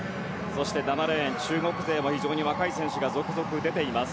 そして７レーン、中国勢も非常に若い選手が続々、出ています。